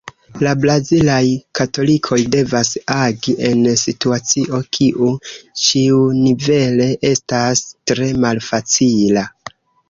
La brazilaj katolikoj devas agi en situacio, kiu ĉiunivele estas tre malfacila.